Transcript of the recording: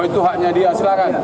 oh itu haknya dia silakan